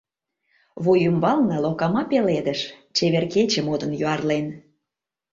Вуй ӱмбалне локама пеледыш — Чевер кече модын юарлен.